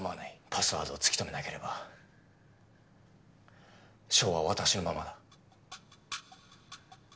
パスワードを突き止めなければ翔は私のままだ。